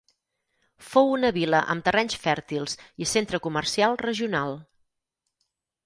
Fou una vila amb terrenys fèrtils i centre comercial regional.